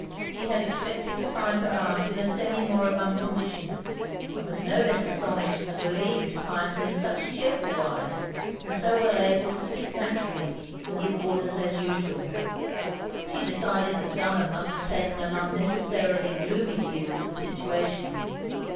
She had expected to find her aunt in a sen^ moribtmd condition, and was no less astonished than relieved to find her in such cheerful wise, and so well able to speak nattirally, and give orders as usual. i6 OF GROSVENOR SQUARE ^^ She decided that Dunham must have taken an unnecessarily gloomy view of the situa tion.